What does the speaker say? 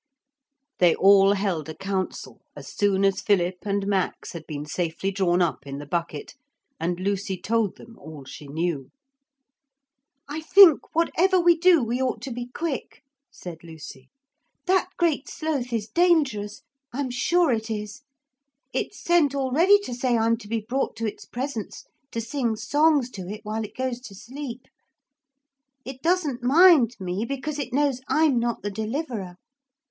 ....... They all held a council as soon as Philip and Max had been safely drawn up in the bucket, and Lucy told them all she knew. 'I think whatever we do we ought to be quick,' said Lucy; 'that Great Sloth is dangerous. I'm sure it is. It's sent already to say I am to be brought to its presence to sing songs to it while it goes to sleep. It doesn't mind me because it knows I'm not the Deliverer.